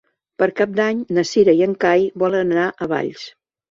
Per Cap d'Any na Cira i en Cai volen anar a Valls.